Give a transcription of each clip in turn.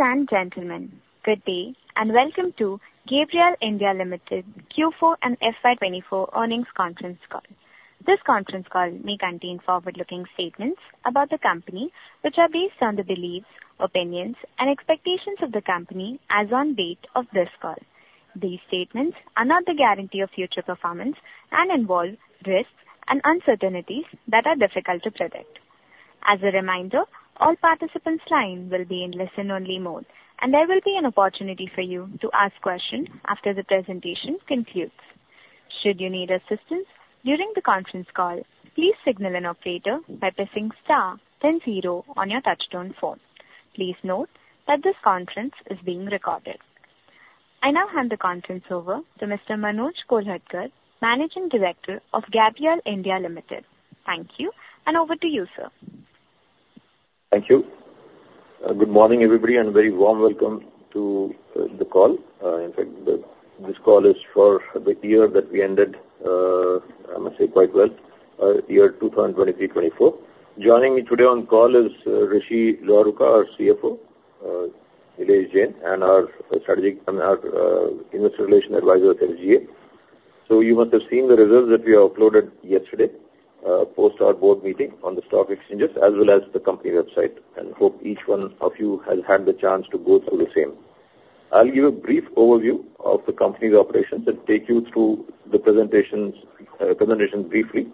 Ladies and gentlemen, good day, and welcome to Gabriel India Ltd Q4 and FY 2024 earnings conference call. This conference call may contain forward-looking statements about the company, which are based on the beliefs, opinions, and expectations of the company as on date of this call. These statements are not the guarantee of future performance and involve risks and uncertainties that are difficult to predict. As a reminder, all participants' line will be in listen-only mode, and there will be an opportunity for you to ask questions after the presentation concludes. Should you need assistance during the conference call, please signal an operator by pressing star then zero on your touchtone phone. Please note that this conference is being recorded. I now hand the conference over to Mr. Manoj Kolhatkar, Managing Director of Gabriel India Ltd. Thank you, and over to you, sir. Thank you. Good morning, everybody, and a very warm welcome to the call. In fact, this call is for the year that we ended, I must say, quite well, year 2023, 2024. Joining me today on call is Rishi Luharuka, our CFO, Nilesh Jain, and our strategic and our investor relation advisor of SGA. So you must have seen the results that we uploaded yesterday, post our board meeting on the stock exchanges as well as the company website, and hope each one of you has had the chance to go through the same. I'll give a brief overview of the company's operations and take you through the presentations, presentation briefly,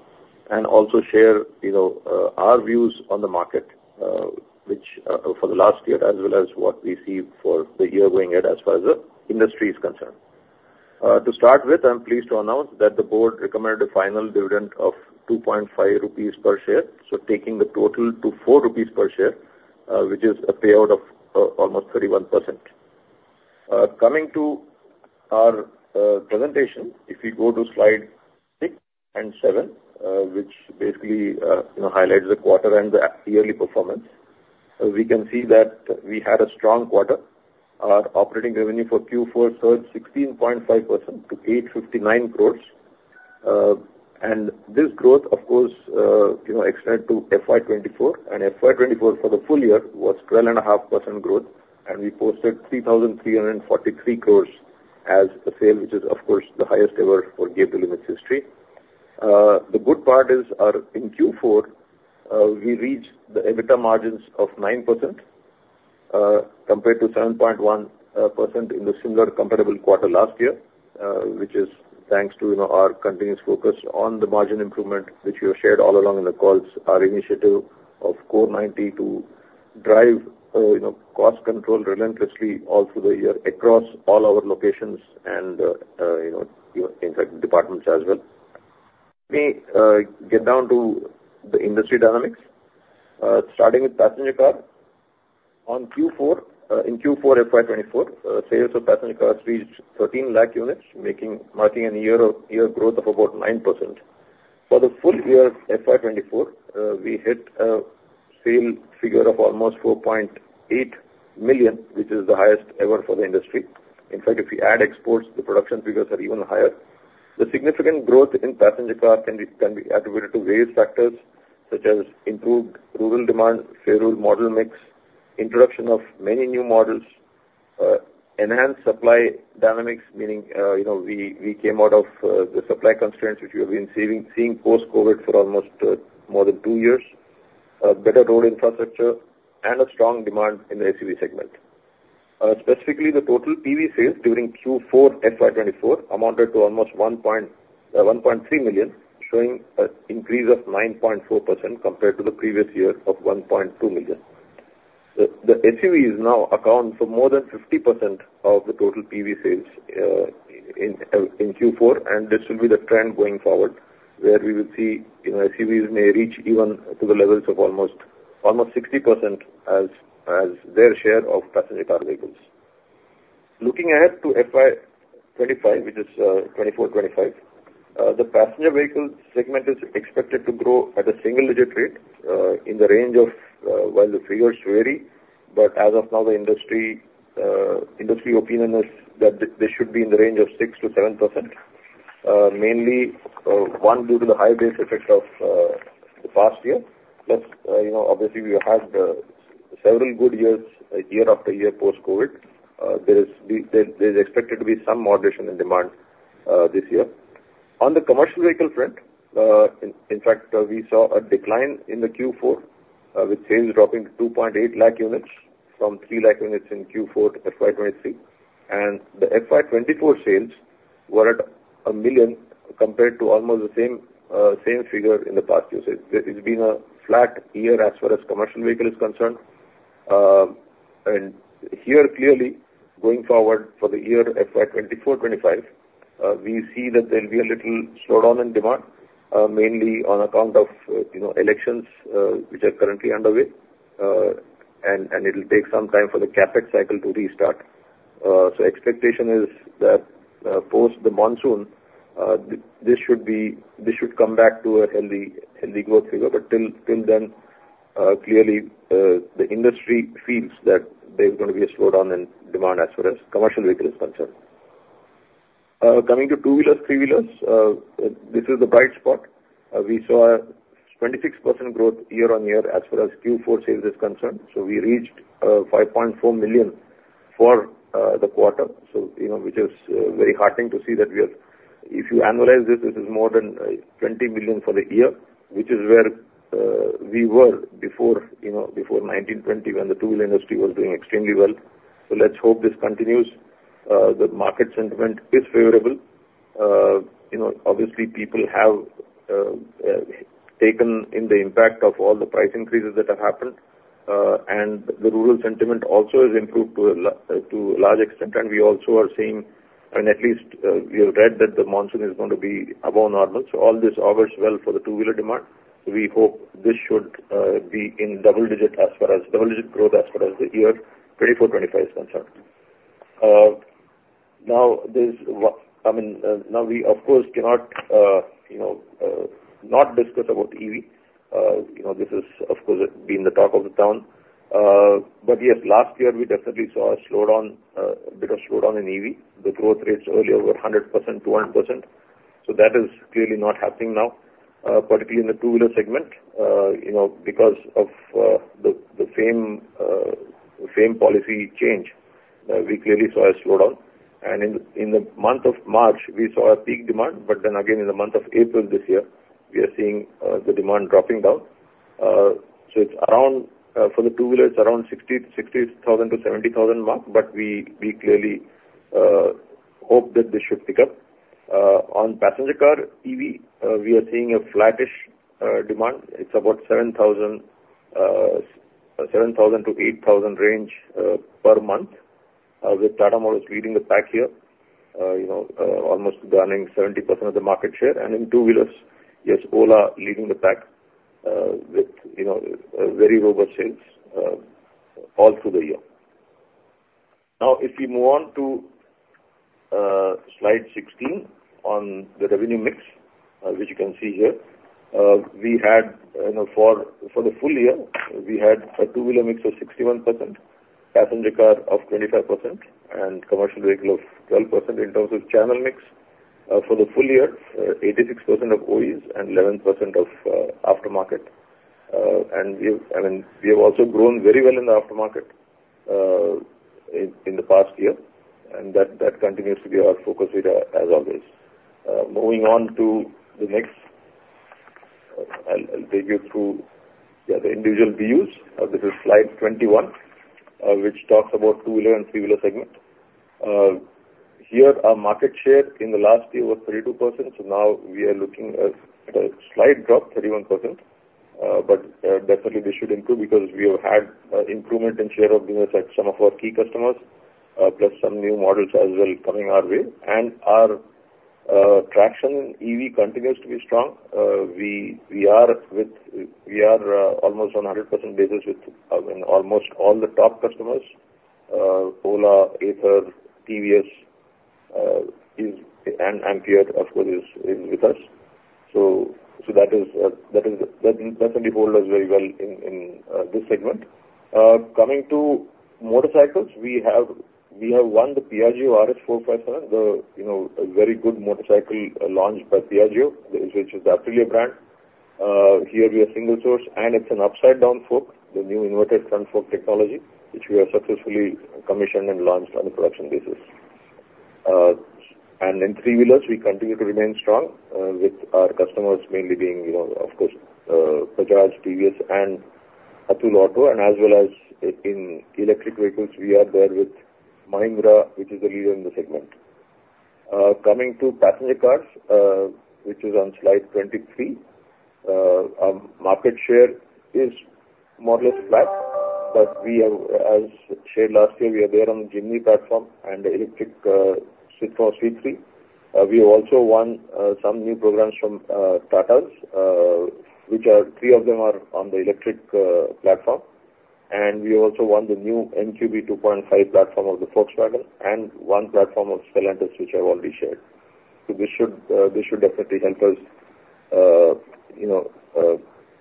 and also share, you know, our views on the market, which, for the last year, as well as what we see for the year going ahead, as far as the industry is concerned. To start with, I'm pleased to announce that the board recommended a final dividend of 2.5 rupees per share, so taking the total to 4 rupees per share, which is a payout of almost 31%. Coming to our presentation, if you go to slide 6 and 7, which basically, you know, highlights the quarter and the yearly performance, we can see that we had a strong quarter. Our operating revenue for Q4 surged 16.5% to 859 crores. And this growth, of course, you know, extended to FY 2024, and FY 2024 for the full year was 12.5% growth, and we posted 3,343 crore as the sale, which is, of course, the highest ever for Gabriel India Ltd.'s history. The good part is, in Q4, we reached the EBITDA margins of 9%, compared to 7.1% in the similar comparable quarter last year, which is thanks to, you know, our continuous focus on the margin improvement, which we have shared all along in the calls, our initiative of Core 90 to drive, you know, cost control relentlessly all through the year, across all our locations and, you know, in fact, departments as well. Let me get down to the industry dynamics. Starting with passenger cars. On Q4 in Q4, FY 2024, sales of passenger cars reached 1.3 million units, marking a year-over-year growth of about 9%. For the full year, FY 2024, we hit a sale figure of almost 4.8 million units, which is the highest ever for the industry. In fact, if you add exports, the production figures are even higher. The significant growth in passenger cars can be attributed to various factors, such as improved rural demand, favorable model mix, introduction of many new models, enhanced supply dynamics, meaning, you know, we came out of the supply constraints, which we have been seeing post-COVID for almost more than two years, better road infrastructure and a strong demand in the SUV segment. Specifically, the total PV sales during Q4, FY 2024, amounted to almost 1.3 million units, showing an increase of 9.4% compared to the previous year of 1.2 million units. The SUVs now account for more than 50% of the total PV sales in Q4, and this will be the trend going forward, where we will see, you know, SUVs may reach even to the levels of almost 60% as their share of passenger car vehicles. Looking ahead to FY 2025, which is 2024-2025, the passenger vehicle segment is expected to grow at a single digit rate in the range of, well, the figures vary, but as of now, the industry opinion is that they should be in the range of 6%-7%. Mainly, one, due to the high base effect of the past year. Plus, you know, obviously, we have had several good years, year after year, post-COVID. There is expected to be some moderation in demand this year. On the commercial vehicle front, in fact, we saw a decline in the Q4, with sales dropping to 2.8 lakh units from 3 lakh units in Q4, FY 2023. And the FY 2024 sales were at one million units compared to almost the same figure in the past years. It's been a flat year as far as commercial vehicle is concerned. Here, clearly, going forward for the year FY 2024-2025, we see that there'll be a little slowdown in demand, mainly on account of, you know, elections, which are currently underway. It'll take some time for the CapEx cycle to restart. So expectation is that, post the monsoon, this should be... this should come back to a healthy, healthy growth figure. But till then, clearly, the industry feels that there's going to be a slowdown in demand as far as commercial vehicle is concerned. Coming to two-wheelers, three-wheelers, this is the bright spot. We saw a 26% growth year-on-year as far as Q4 sales is concerned. So we reached, 5.4 million for the quarter. So, you know, which is very heartening to see that we are, if you annualize this, this is more than 20 million for the year, which is where we were before, you know, before 2019-20, when the two-wheeler industry was doing extremely well. So let's hope this continues. The market sentiment is favorable. You know, obviously, people have taken in the impact of all the price increases that have happened, and the rural sentiment also has improved to a large extent, and we also are seeing, and at least we have read that the monsoon is going to be above normal. So all this augurs well for the two-wheeler demand. We hope this should be in double digit as far as double digit growth as far as the year 2024-2025 is concerned. Now, I mean, now, we of course cannot, you know, not discuss about EV. You know, this is, of course, been the talk of the town. But yes, last year we definitely saw a slowdown, bit of slowdown in EV. The growth rates earlier were 100%, 200%. So that is clearly not happening now, particularly in the two-wheeler segment, you know, because of the same policy change, we clearly saw a slowdown. And in the month of March, we saw a peak demand, but then again, in the month of April this year, we are seeing the demand dropping down. So it's around, for the two-wheeler, it's around 60,000-70,000 mark, but we clearly hope that this should pick up. On passenger car EV, we are seeing a flattish demand. It's about 7,000 units-8,000 units range per month, with Tata Motors leading the pack here, you know, almost garnering 70% of the market share. And in two-wheelers, yes, Ola leading the pack, with, you know, a very robust sales all through the year. Now, if we move on to slide 16 on the revenue mix, which you can see here. We had, you know, for the full year, we had a two-wheeler mix of 61%, passenger car of 25%, and commercial vehicle of 12% in terms of channel mix. For the full year, 86% of OEs and 11% of aftermarket. And we've, I mean, we have also grown very well in the aftermarket, in the past year, and that continues to be our focus area as always. Moving on to the next, I'll take you through, yeah, the individual BUs. This is slide 21, which talks about two-wheeler and three-wheeler segment. Here, our market share in the last year was 32%, so now we are looking at a slight drop, 31%. But definitely this should improve because we have had improvement in share of business at some of our key customers, plus some new models as well coming our way. And our traction EV continues to be strong. We are almost on a 100% basis with almost all the top customers, Ola, Ather, TVS, and Ampere, of course, is in with us. So that is that definitely hold us very well in this segment. Coming to motorcycles, we have won the Piaggio RS 457, you know, a very good motorcycle launched by Piaggio, which is the Aprilia brand. Here we are single source, and it's an upside down fork, the new inverted front fork technology, which we have successfully commissioned and launched on a production basis. And in three-wheelers, we continue to remain strong with our customers mainly being, you know, of course, Bajaj, TVS, and Atul Auto. As well as in electric vehicles, we are there with Mahindra, which is a leader in the segment. Coming to passenger cars, which is on slide 23, our market share is more or less flat, but we have, as shared last year, we are there on the Jimny platform and the electric Citroën C3. We have also won some new programs from Tatas, which are, three of them are on the electric platform. We have also won the new MQB 2.5 platform of the Volkswagen and one platform of Stellantis, which I've already shared. So this should definitely help us, you know,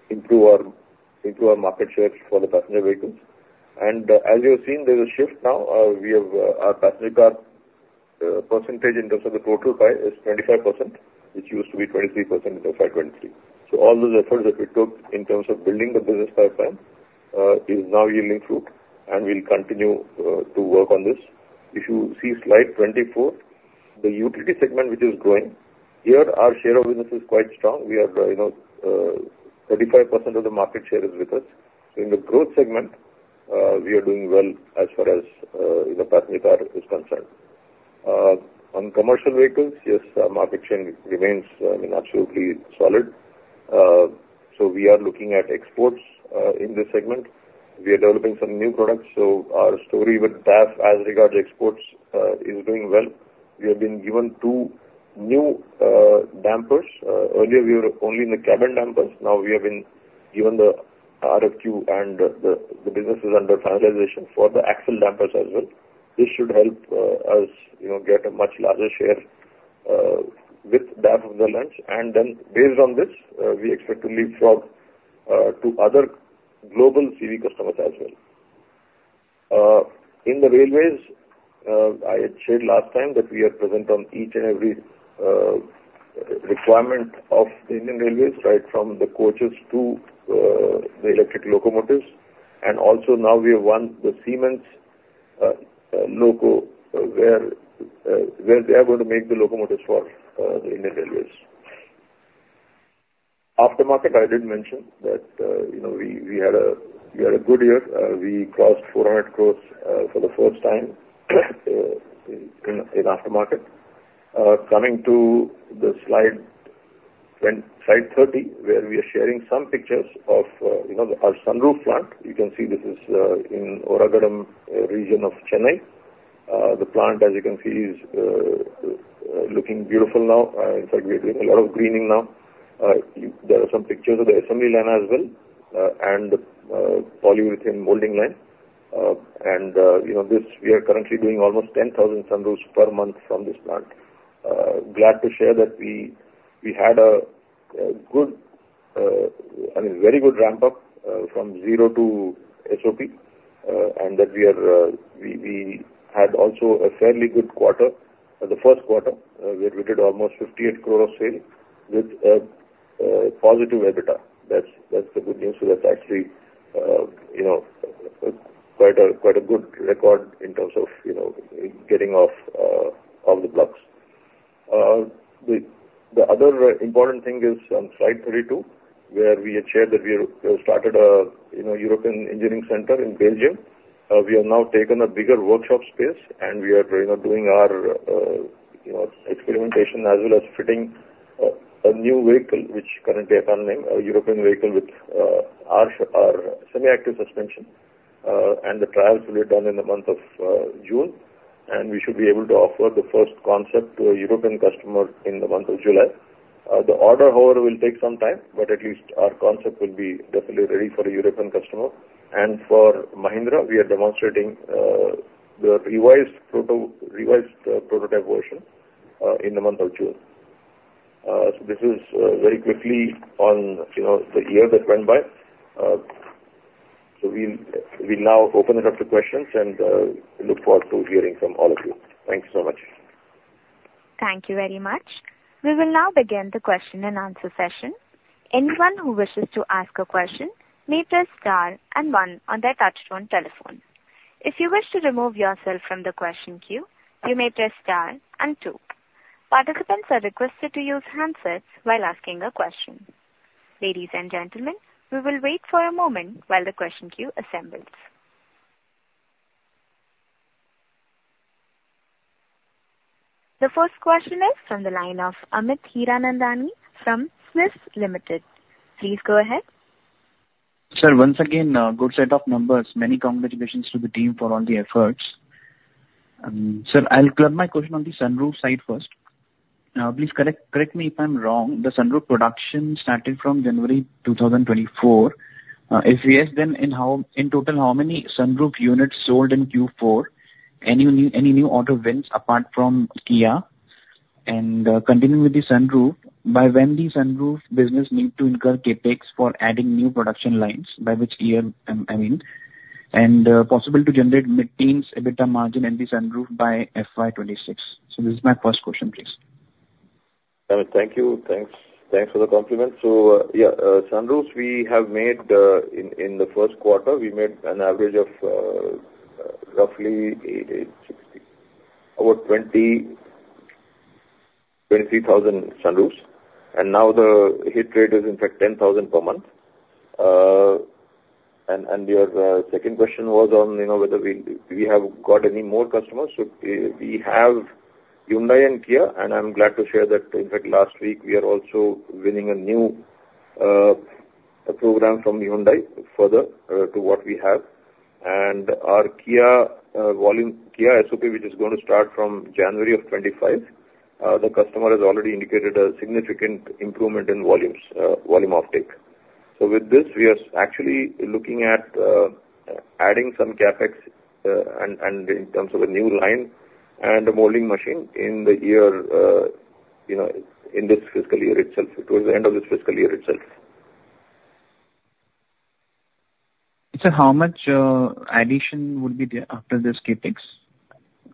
improve our market shares for the passenger vehicles. As you have seen, there's a shift now. We have our passenger car percentage in terms of the total pie is 25%, which used to be 23% in FY 2023. So all those efforts that we took in terms of building the business pipeline is now yielding fruit, and we'll continue to work on this. If you see slide 24, the utility segment, which is growing, here, our share of business is quite strong. We are, you know, 35% of the market share is with us. So in the growth segment, we are doing well as far as, you know, passenger car is concerned. On commercial vehicles, yes, our market share remains, I mean, absolutely solid. So we are looking at exports in this segment. We are developing some new products, so our story with DAF as regard to exports is doing well. We have been given two new dampers. Earlier we were only in the cabin dampers, now we have been given the RFQ and the business is under finalization for the axle dampers as well. This should help us, you know, get a much larger share with DAF in the Netherlands. And then based on this, we expect to leapfrog to other global CV customers as well. In the railways, I had said last time that we are present on each and every requirement of the Indian Railways, right from the coaches to the electric locomotives. And also now we have won the Siemens loco, where they are going to make the locomotives for the Indian Railways. Aftermarket, I did mention that, you know, we had a good year. We crossed 400 crore for the first time in aftermarket. Coming to Slide 10-Slide 30, where we are sharing some pictures of, you know, our sunroof plant. You can see this is in Oragadam region of Chennai. The plant, as you can see, is looking beautiful now. In fact, we are doing a lot of greening now. You-- there are some pictures of the assembly line as well, and polyurethane molding line. And, you know, this, we are currently doing almost 10,000 sunroofs per month from this plant. Glad to share that we had a good, I mean, very good ramp up from zero to SOP, and that we had also a fairly good quarter. The first quarter, we had reported almost 58 crore of sales with positive EBITDA. That's the good news. So that's actually, you know, quite a good record in terms of, you know, getting off the blocks. The other important thing is on slide 32, where we had shared that we have started a European engineering center in Belgium. We have now taken a bigger workshop space, and we are doing our experimentation as well as fitting a new vehicle which is currently a [fun name], a European vehicle with our semi-active suspension, and the trials will be done in the month of June, and we should be able to offer the first concept to a European customer in the month of July. The order, however, will take some time, but at least our concept will be definitely ready for a European customer. And for Mahindra, we are demonstrating the revised prototype version in the month of June. So this is very quickly on, you know, the year that went by. So we now open it up to questions, and look forward to hearing from all of you. Thank you so much. Thank you very much. We will now begin the question and answer session. Anyone who wishes to ask a question may press star and one on their touchtone telephone. If you wish to remove yourself from the question queue, you may press star and two. Participants are requested to use handsets while asking a question. Ladies and gentlemen, we will wait for a moment while the question queue assembles. The first question is from the line of Amit Hiranandani from SMIFS Limited. Please go ahead. Sir, once again, good set of numbers. Many congratulations to the team for all the efforts. Sir, I'll club my question on the sunroof side first. Please correct me if I'm wrong, the sunroof production started from January 2024. If yes, then in total, how many sunroof units sold in Q4? Any new auto wins apart from Kia? And, continuing with the sunroof, by when the sunroof business need to incur CapEx for adding new production lines, by which year, I mean? And, possible to generate mid-teens EBITDA margin and the sunroof by FY 2026. So this is my first question, please. Amit, thank you. Thanks. Thanks for the compliment. So, yeah, sunroofs we have made, in the first quarter, we made an average of, roughly 60, about 23,000 sunroofs, and now the hit rate is in fact 10,000 per month. And your second question was on, you know, whether we have got any more customers. So we have Hyundai and Kia, and I'm glad to share that in fact, last week, we are also winning a new program from Hyundai further to what we have. And our Kia volume, Kia SOP, which is gonna start from January of 2025, the customer has already indicated a significant improvement in volumes, volume uptake. So with this, we are actually looking at adding some CapEx, and in terms of a new line and a molding machine in the year, you know, in this fiscal year itself, towards the end of this fiscal year itself. Sir, how much addition would be there after this CapEx?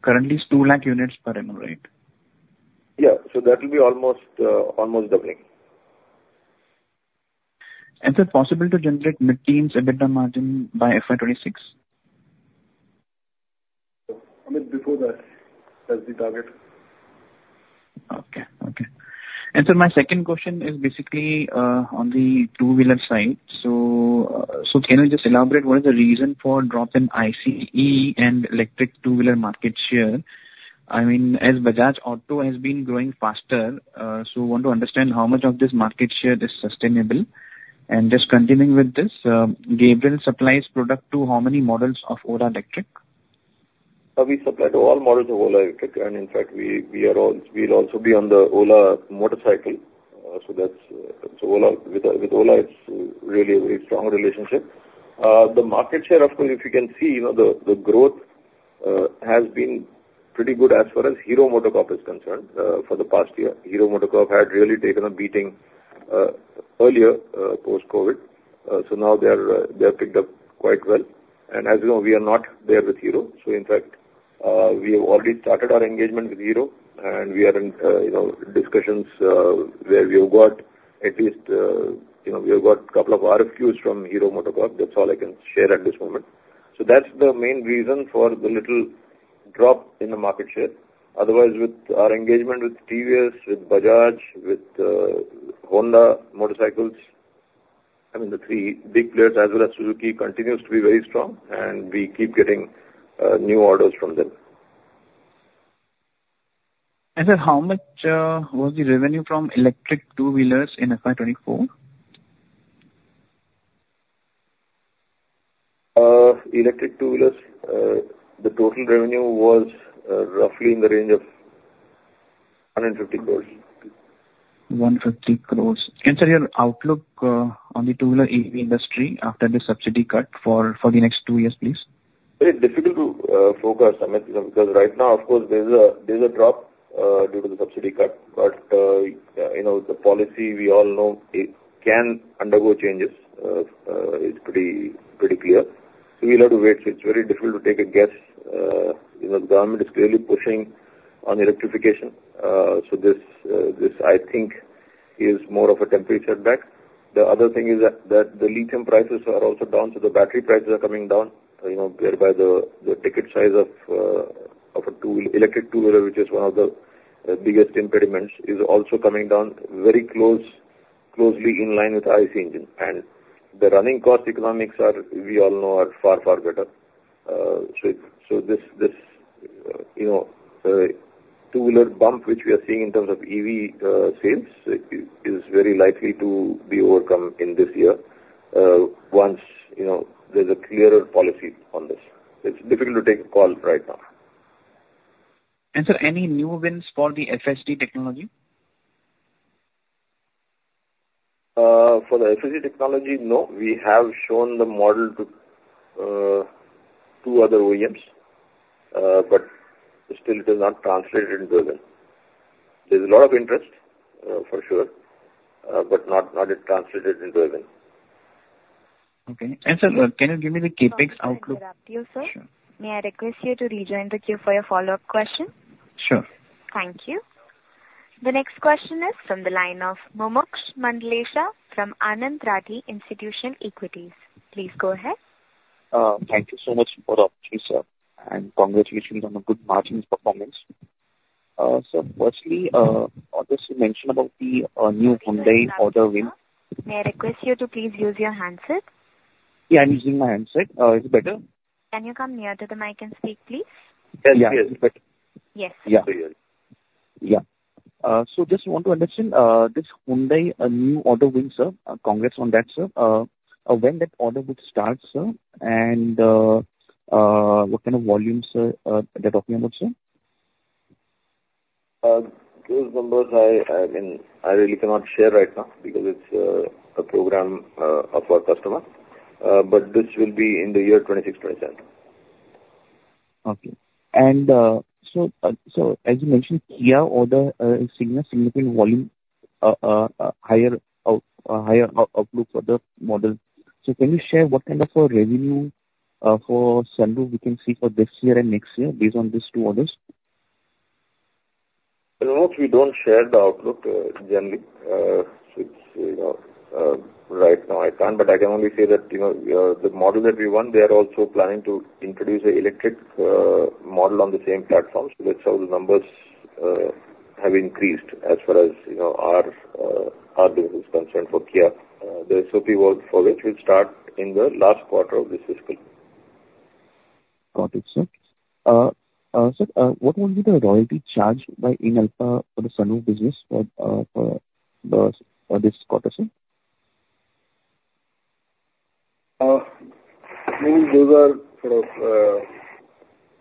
Currently, it's 200,000 units per annum, right? Yeah. So that will be almost, almost doubling. Is it possible to generate mid-teens EBITDA margin by FY 2026? Amit, before that, that's the target. Okay. Okay. And sir, my second question is basically on the two-wheeler side. So, so can you just elaborate what is the reason for drop in ICE and electric two-wheeler market share? I mean, as Bajaj Auto has been growing faster, so want to understand how much of this market share is sustainable. And just continuing with this, Gabriel supplies product to how many models of Ola Electric? We supply to all models of Ola Electric, and in fact, we, we'll also be on the Ola motorcycle. So that's... So Ola, with Ola, it's really a very strong relationship. The market share, of course, if you can see, you know, the growth... has been pretty good as far as Hero MotoCorp is concerned, for the past year. Hero MotoCorp had really taken a beating, earlier, post-COVID. So now they are, they have picked up quite well. And as you know, we are not there with Hero. So in fact, we have already started our engagement with Hero, and we are in, you know, discussions, where we have got at least, you know, we have got couple of RFQs from Hero MotoCorp. That's all I can share at this moment. So that's the main reason for the little drop in the market share. Otherwise, with our engagement with TVS, with Bajaj, with Honda Motorcycles, I mean, the three big players as well as Suzuki, continues to be very strong, and we keep getting new orders from them. How much was the revenue from electric two-wheelers in FY 2024? Electric two-wheelers, the total revenue was roughly in the range of 150 crore. 150 crore. Sir, your outlook on the two-wheeler EV industry after the subsidy cut for the next two years, please? Very difficult to forecast, Amit, you know, because right now, of course, there's a drop due to the subsidy cut, but you know, the policy, we all know, it can undergo changes. It's pretty clear. So we'll have to wait. So it's very difficult to take a guess. You know, the government is clearly pushing on electrification. So this, I think, is more of a temporary setback. The other thing is that the lithium prices are also down, so the battery prices are coming down, you know, whereby the ticket size of a two-wheel electric two-wheeler, which is one of the biggest impediments, is also coming down very closely in line with IC engine. And the running cost economics are, we all know, far better. So, this two-wheeler bump, which we are seeing in terms of EV sales, is very likely to be overcome this year, once, you know, there's a clearer policy on this. It's difficult to take a call right now. Sir, any new wins for the FSD technology? For the FSD technology, no. We have shown the model to two other OEMs, but still it has not translated into a win. There's a lot of interest, for sure, but not yet translated into a win. Okay. Sir, can you give me the CapEx outlook? Sorry to interrupt you, sir. Sure. May I request you to rejoin the queue for your follow-up question? Sure. Thank you. The next question is from the line of Mumuksh Mandlesha from Anand Rathi Institutional Equities. Please go ahead. Thank you so much for the opportunity, sir, and congratulations on the good margins performance. So firstly, I just to mention about the new Hyundai order win. May I request you to please use your handset? Yeah, I'm using my handset. Is it better? Can you come near to the mic and speak, please? Yes, yes. Better. Yes. Yeah. Yeah. So just want to understand this Hyundai new order win, sir. When that order will start, sir, and what kind of volumes are they talking about, sir? Those numbers, I mean, I really cannot share right now because it's a program of our customer. But this will be in the year 2026, 2027. Okay. So as you mentioned, Kia order seeing a significant volume, higher outlook for the model. So can you share what kind of a revenue for sunroof we can see for this year and next year based on these two orders? You know, we don't share the outlook, generally. So, you know, right now, I can't, but I can only say that, you know, the model that we won, they are also planning to introduce a electric model on the same platform. So that's how the numbers have increased as far as, you know, our our business is concerned for Kia. The SOP work for which will start in the last quarter of this fiscal. Got it, sir. What will be the royalty charged by Inalfa for the sunroof business for this quarter, sir? Those are sort of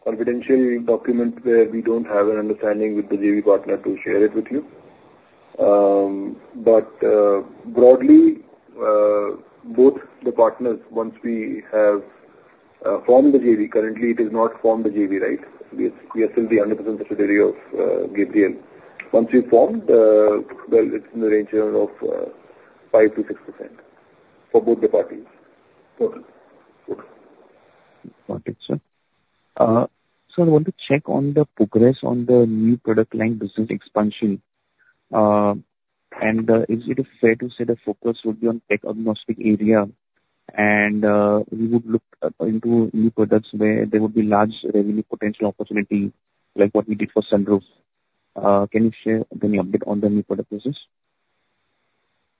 confidential document where we don't have an understanding with the JV partner to share it with you. But broadly, both the partners, once we have formed the JV. Currently, it is not formed the JV, right? We are still the 100% subsidiary of Gabriel. Once we formed, well, it's in the range of 5%-6% for both the parties. Total. Got it, sir. I want to check on the progress on the new product line business expansion. Is it fair to say the focus would be on tech-agnostic area, and we would look into new products where there would be large revenue potential opportunity, like what we did for Sunroof. Can you share any update on the new product business?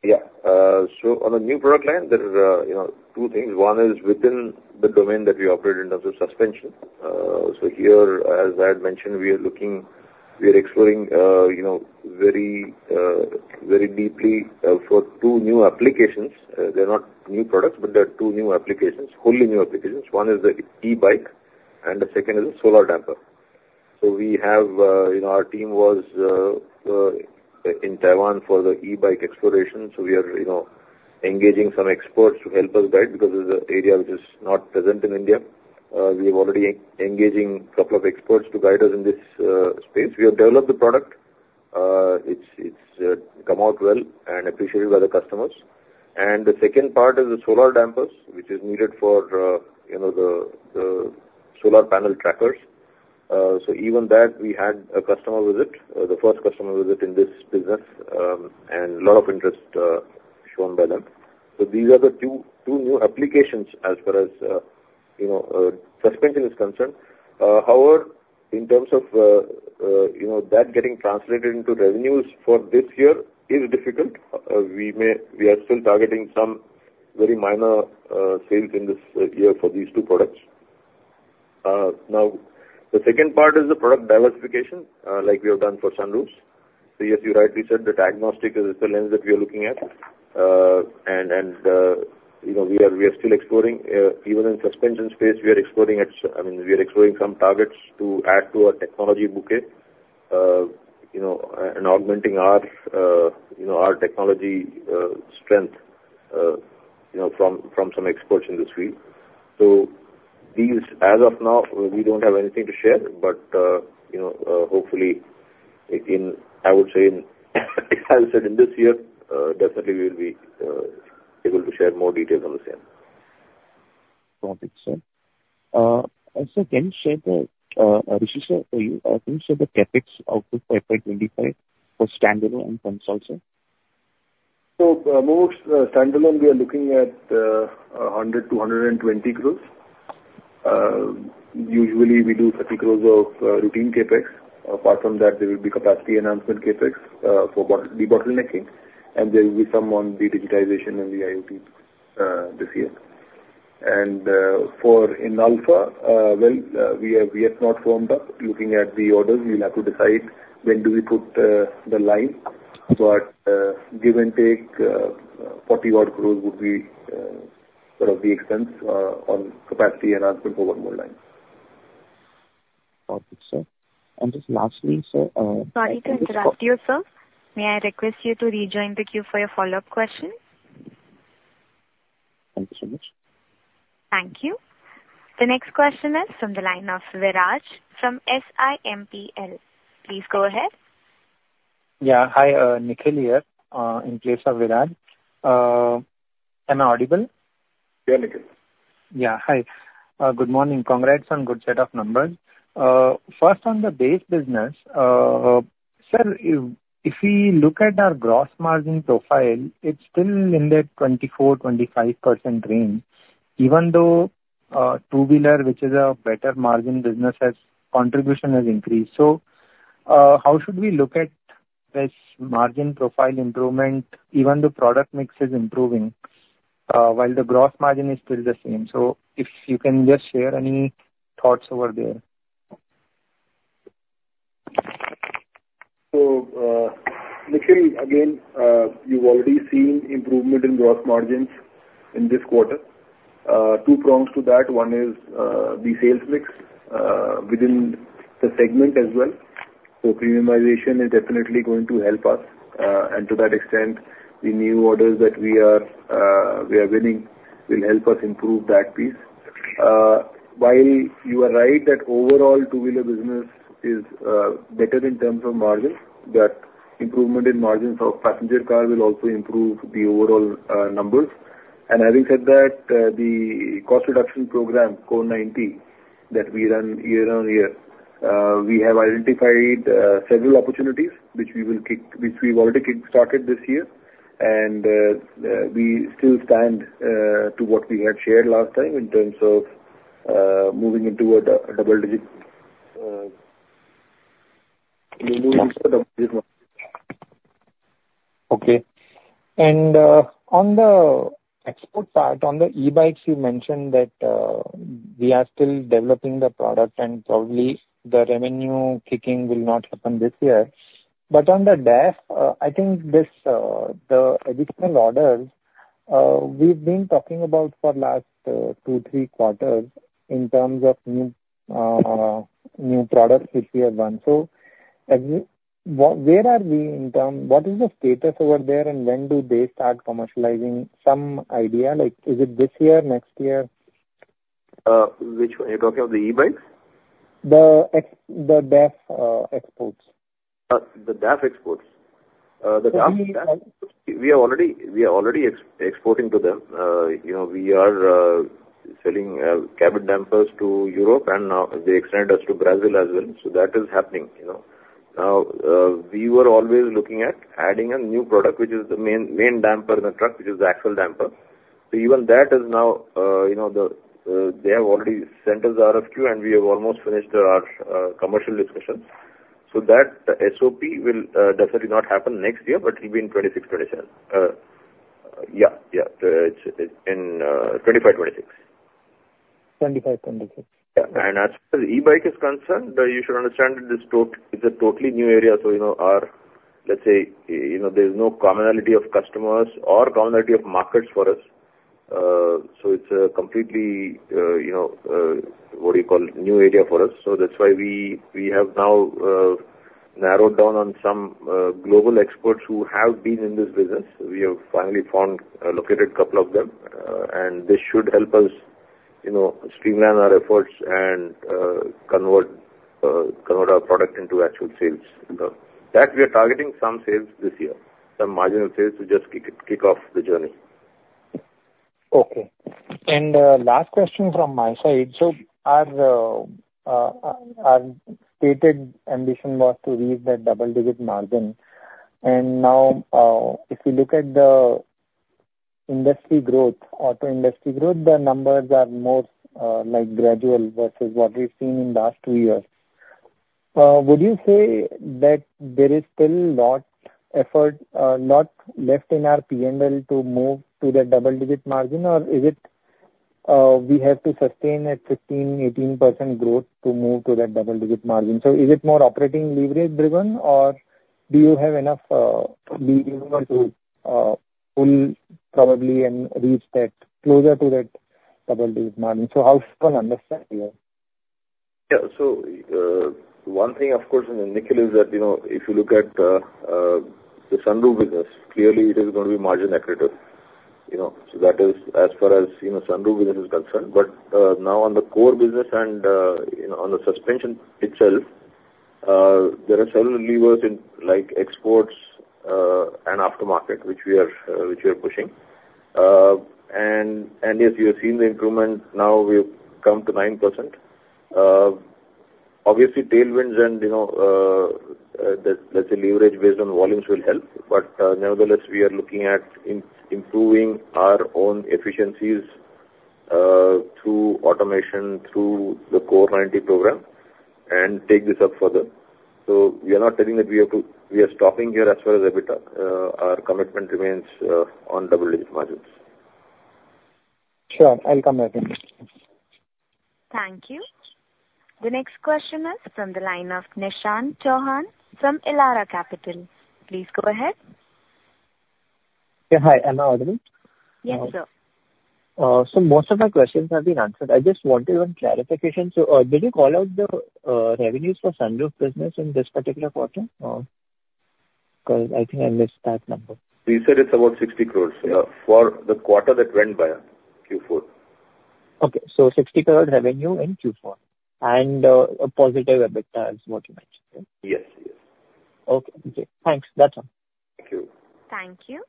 Yeah. So on the new product line, there are, you know, two things. One is within the domain that we operate in, terms of suspension. So here, as I had mentioned, we are looking, we are exploring, you know, very, very deeply, for two new applications. They're not new products, but they are two new applications, wholly new applications. One is the e-bike, and the second is a solar damper. So we have, you know, our team was in Taiwan for the e-bike exploration. So we are, you know, engaging some experts to help us guide, because this is an area which is not present in India. We're already engaging couple of experts to guide us in this space. We have developed the product. It's come out well and appreciated by the customers. The second part is the solar dampers, which is needed for, you know, the solar panel trackers. So even that we had a customer visit, the first customer visit in this business, and a lot of interest shown by them. So these are the two new applications as far as, you know, suspension is concerned. However, in terms of, you know, that getting translated into revenues for this year is difficult. We are still targeting some very minor sales in this year for these two products. Now, the second part is the product diversification, like we have done for sun roofs. So yes, you rightly said that diagnostic is the lens that we are looking at. And, you know, we are still exploring. Even in suspension space, we are exploring—I mean, we are exploring some targets to add to our technology bouquet, you know, and augmenting our, you know, our technology strength, you know, from some experts in this field. So these, as of now, we don't have anything to share, but, you know, hopefully, in, I would say, as I said, in this year, definitely we'll be able to share more details on the same. Got it, sir. And sir, can you share the CapEx outlook for FY 25 for standalone and consolidated, sir? So for most standalone, we are looking at 100 crores-120 crores. Usually we do 30 crores of routine CapEx. Apart from that, there will be capacity enhancement CapEx for debottlenecking, and there will be some on the digitization and the IoT this year. And for Inalfa, well, we have, we have not firmed up. Looking at the orders, we'll have to decide when do we put the line. But give and take, 40-odd crores would be sort of the expense on capacity enhancement over more lines. Got it, sir. And just lastly, sir, Sorry to interrupt you, sir. May I request you to rejoin the queue for your follow-up question? Thank you so much. Thank you. The next question is from the line of Viraj from SiMPL. Please go ahead. Yeah. Hi, Nikhil here, in place of Viraj. Am I audible? Yeah, Nikhil. Yeah, hi. Good morning. Congrats on good set of numbers. First, on the base business, sir, if we look at our gross margin profile, it's still in the 24%-25% range, even though two-wheeler, which is a better margin business, as contribution has increased. So, how should we look at this margin profile improvement, even the product mix is improving, while the gross margin is still the same? So if you can just share any thoughts over there. So, Nikhil, again, you've already seen improvement in gross margins in this quarter. Two prongs to that. One is, the sales mix, within the segment as well. So premiumization is definitely going to help us, and to that extent, the new orders that we are, we are winning will help us improve that piece. While you are right, that overall, two-wheeler business is, better in terms of margins, that improvement in margins of passenger cars will also improve the overall, numbers. And having said that, the cost reduction program, Core 90, that we run year on year, we have identified, several opportunities which we will kick... Which we've already kickstarted this year, and we still stand to what we had shared last time in terms of moving into a double digit. Okay. And on the export part, on the e-bikes, you mentioned that we are still developing the product and probably the revenue kicking will not happen this year. But on the DAF, I think this, the additional orders we've been talking about for last 2 quaters-3 quarters in terms of new products which we have done. So where are we in terms? What is the status over there, and when do they start commercializing? Some idea, like is it this year, next year? Which one? You're talking of the e-bikes? The DAF exports. The DAF exports. The DAF- So we- We are already exporting to them. You know, we are selling cabin dampers to Europe, and now they extended us to Brazil as well. So that is happening, you know. Now, we were always looking at adding a new product, which is the main damper in the truck, which is the axle damper. So even that is now, you know, they have already sent us RFQ, and we have almost finished our commercial discussions. So that SOP will definitely not happen next year, but it'll be in 2026-2027. Yeah, yeah, it's in 2025-2026. 2025-2026. Yeah. As far as e-bike is concerned, you should understand that it's a totally new area, so, you know, our... Let's say, you know, there's no commonality of customers or commonality of markets for us. So it's a completely, you know, what do you call it? New area for us. So that's why we, we have now, narrowed down on some, global experts who have been in this business. We have finally found, located a couple of them, and this should help us, you know, streamline our efforts and, convert, convert our product into actual sales. That we are targeting some sales this year, some marginal sales to just kick it, kick off the journey. Okay. And, last question from my side. So our, our stated ambition was to reach that double-digit margin. And now, if you look at the industry growth, auto industry growth, the numbers are more, like gradual versus what we've seen in last two years. Would you say that there is still lot effort, lot left in our P&L to move to the double-digit margin? Or is it, we have to sustain at 15%-18% growth to move to that double-digit margin? So is it more operating leverage driven, or do you have enough, lever to, pull probably and reach that, closer to that double-digit margin? So how should one understand here? Yeah. So, one thing of course in the Nikhil is that, you know, if you look at the sunroof business, clearly it is going to be margin accretive, you know, so that is as far as, you know, sunroof business is concerned. But now on the core business and, you know, on the suspension itself, there are several levers in, like, exports and aftermarket, which we are, which we are pushing. And yes, you have seen the improvement, now, we've come to 9%. Obviously, tailwinds and, you know, let's say leverage based on volumes will help, but nevertheless, we are looking at improving our own efficiencies through automation, through the Core 90 program, and take this up further. We are not saying that we have to, we are stopping here as far as EBITDA. Our commitment remains on double-digit margins. Sure, I'll come back. Thank you. The next question is from the line of Nishant Chauhan from Elara Capital. Please go ahead. Yeah, hi. Am I audible? Yes, sir. So most of my questions have been answered. I just wanted one clarification. So, did you call out the revenues for sunroof business in this particular quarter? Because I think I missed that number. We said it's about 60 crore for the quarter that went by, Q4. Okay, so 60 crore revenue in Q4 and a positive EBITDA is what you mentioned? Yes, yes. Okay, great. Thanks. That's all. Thank you. Thank you.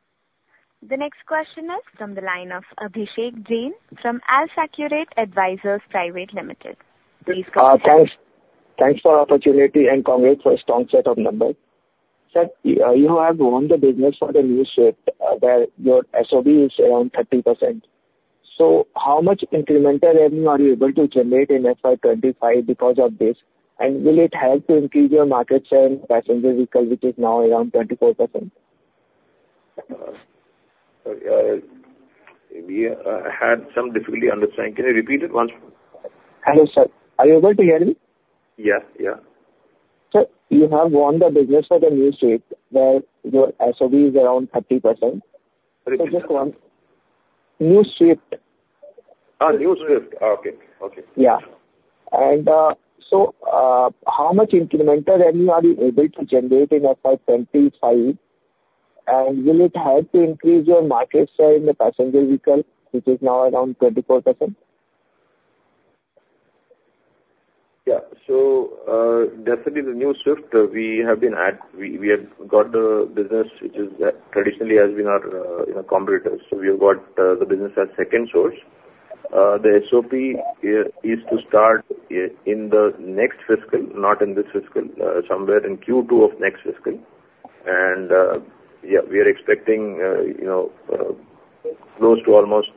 The next question is from the line of Abhishek Jain from AlfAccurate Advisors Pvt. Ltd.. Please go ahead. Thanks. Thanks for the opportunity, and congrats for a strong set of numbers. Sir, you, you have won the business for the new Swift, where your SOP is around 30%. So how much incremental revenue are you able to generate in FY 2025 because of this? And will it help to increase your market share in passenger vehicle, which is now around 24%? We had some difficulty understanding. Can you repeat it once? Hello, sir. Are you able to hear me? Yeah, yeah. Sir, you have won the business for the new Swift, where your SOP is around 30%. Sorry, just once. New Swift. New Swift. Okay. Okay. Yeah. So, how much incremental revenue are you able to generate in FY 2025? And will it help to increase your market share in the passenger vehicle, which is now around 24%? Yeah. So, definitely the new Swift, we have got the business, which is traditionally has been our, you know, competitors. So we have got the business as second source. The SOP is to start in the next fiscal, not in this fiscal, somewhere in Q2 of next fiscal. And yeah, we are expecting, you know, close to almost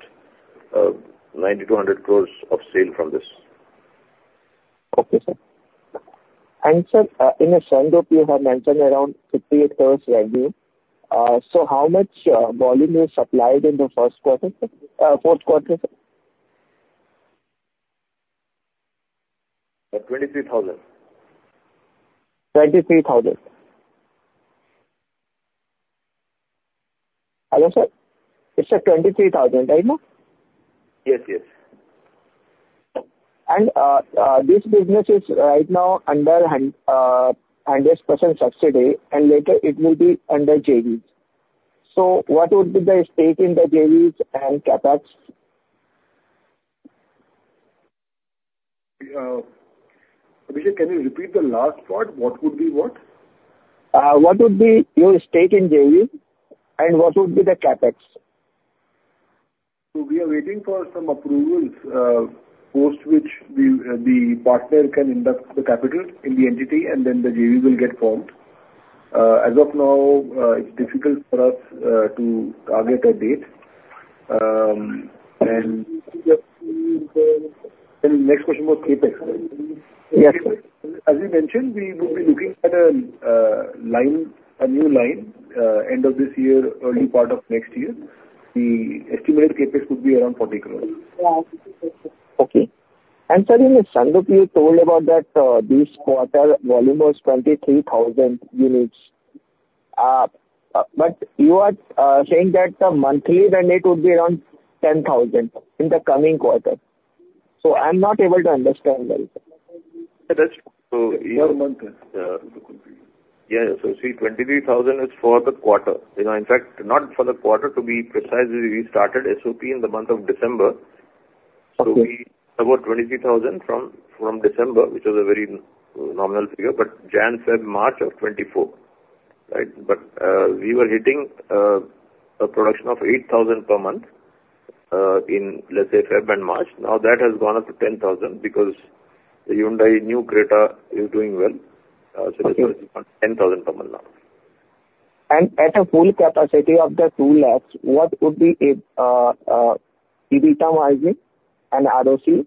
90 crore-100 crore of sale from this. Okay, sir. And sir, in the sunroof you have mentioned around 58 crore revenue. So how much volume you supplied in the first quarter, fourth quarter, sir? 23,000 units. 23,000 units. Hello, sir? It's 23,000 units, right now? Yes, yes. This business is right now under 100% subsidy, and later it will be under JVs. So what would be the stake in the JVs and CapEx? Abhishek, can you repeat the last part? What would be what? What would be your stake in JV, and what would be the CapEx? So we are waiting for some approvals, post which the partner can invest the capital in the entity and then the JV will get formed. As of now, it's difficult for us to target a date. And- Next question about CapEx. Yes. As we mentioned, we would be looking at a line, a new line, end of this year, early part of next year. The estimated CapEx would be around 40 crore. Okay. And sir, in the sunroof you told about that, this quarter volume was 23,000 units. But you are saying that the monthly run rate would be around 10,000 units in the coming quarter, so I'm not able to understand that. That's so- Per month. Yeah. Yeah, so see, 23,000 units is for the quarter. You know, in fact, not for the quarter, to be precise, we started SOP in the month of December. Okay. So we about 23,000 units from December, which was a very nominal figure, but January, February, March are 2024, right? But we were hitting a production of 8,000 units per month in, let's say, February and March. Now, that has gone up to 10,000 units because the Hyundai new Creta is doing well. Okay. It's 10,000 units per month now. At full capacity of 200,000, what would be the EBITDA margin and ROC?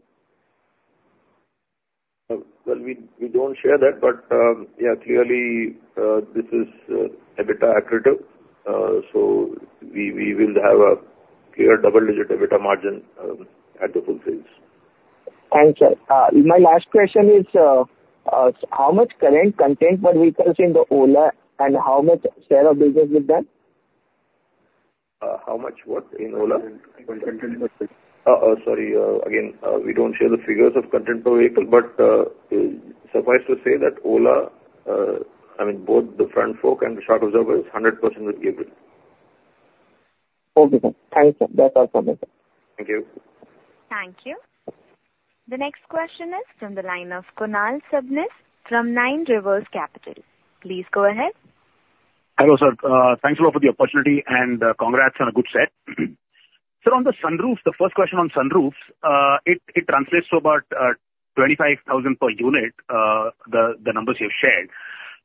Well, we don't share that, but yeah, clearly this is EBITDA accretive, so we will have a clear double-digit EBITDA margin at the full phase. Thanks, sir. My last question is, how much current content per vehicles in the Ola, and how much share of business with that? How much, what, in Ola? Content. Oh, sorry, again, we don't share the figures of content per vehicle, but suffice to say that Ola, I mean, both the front fork and the shock absorber is 100% with Gabriel. Okay, sir. Thank you, sir. That's all from me, sir. Thank you. Thank you. The next question is from the line of Kunal Sabnis from Nine Rivers Capital. Please go ahead. Hello, sir. Thanks a lot for the opportunity, and congrats on a good set. So on the sunroof, the first question on sunroofs, it translates to about 25,000 per unit, the numbers you've shared.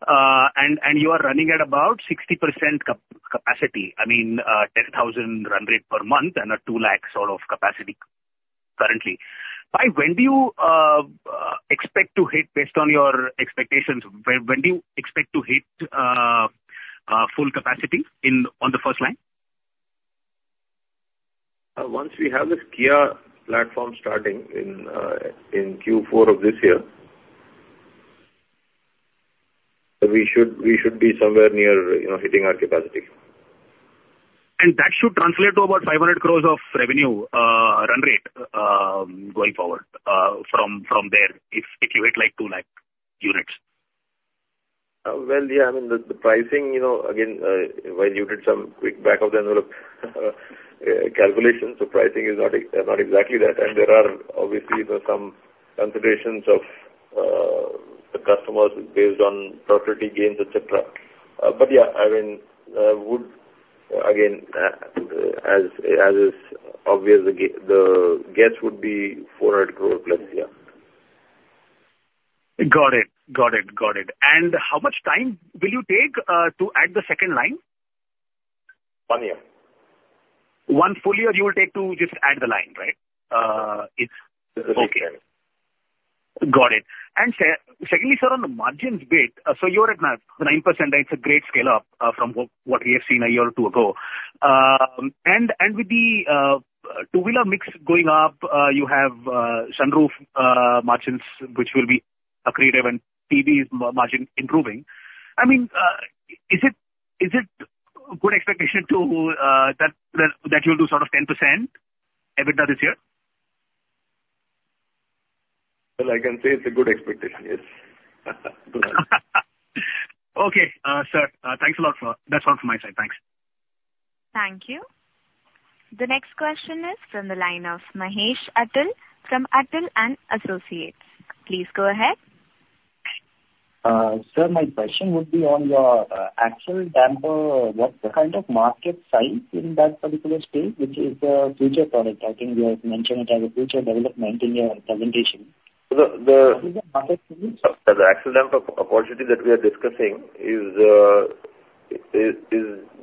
And you are running at about 60% capacity, I mean, 10,000 run rate per month and a 200,000 sort of capacity currently. By when do you expect to hit, based on your expectations, when do you expect to hit full capacity in, on the first line? Once we have the Kia platform starting in Q4 of this year, we should be somewhere near, you know, hitting our capacity. That should translate to about 500 crore of revenue run rate going forward from there, if you hit, like, 200,000 units. Well, yeah, I mean, the pricing, you know, again, when you did some quick back-of-the-envelope calculation, so pricing is not exactly that. And there are obviously some considerations of the customers based on profitability gains, et cetera. But yeah, I mean, again, as is obvious, the guess would be 400 crore+, yeah. Got it. Got it. Got it. And how much time will you take to add the second line? One year. One full year you will take to just add the line, right? It's- Yes. Okay. Got it. Secondly, sir, on the margins bit, so you're at 9.9%, it's a great scale up from what we have seen a year or two ago. And with the two-wheeler mix going up, you have sunroof margins, which will be accretive and TVS margin improving. I mean, is it good expectation to that you'll do sort of 10% EBITDA this year? Well, I can say it's a good expectation, yes. Okay, sir, thanks a lot for... That's all from my side. Thanks. Thank you. The next question is from the line of Mahesh Attal, from Attal & Associates. Please go ahead. Sir, my question would be on your axle damper. What's the kind of market size in that particular space, which is a future product? I think you have mentioned it as a future development in your presentation. So the- What is the market size? The axle damper opportunity that we are discussing is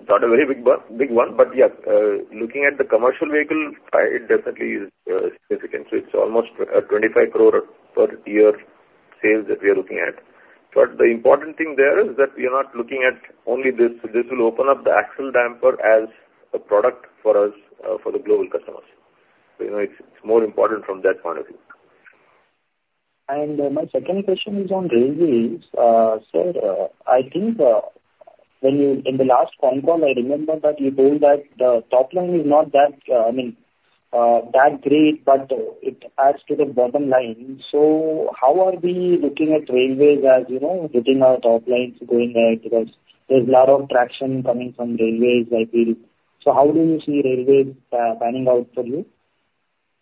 not a very big one, but yeah, looking at the commercial vehicle, it definitely is significant. So it's almost 25 crore per year sales that we are looking at. But the important thing there is that we are not looking at only this. This will open up the axle damper as a product for us for the global customers. So, you know, it's more important from that point of view. My second question is on railways. Sir, I think when you... In the last con call, I remember that you told that the top line is not that, I mean, that great, but it adds to the bottom line. So how are we looking at railways as, you know, getting our top lines going there? Because there's a lot of traction coming from railways, I feel. So how do you see railways panning out for you?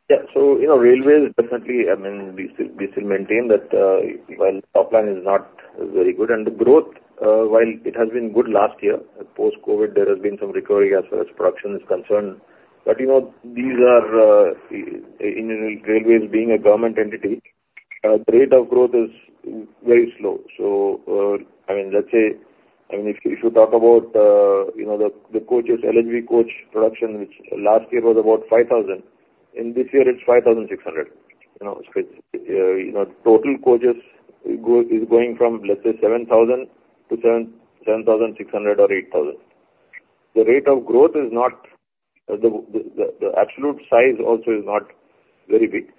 Yeah. So, you know, railways, definitely, I mean, we still, we still maintain that, while top line is not very good, and the growth, while it has been good last year, post-COVID, there has been some recovery as far as production is concerned. But, you know, these are, Indian Railways being a government entity, the rate of growth is very slow. So, I mean, let's say, I mean, if you, if you talk about, you know, the, the coaches, LHB coach production, which last year was about 5,000, and this year it's 5,600. You know, so it's, you know, total coaches, is going from, let's say, 7,000 to 7,600 or 8,000. The rate of growth is not, the, the, the absolute size also is not very big.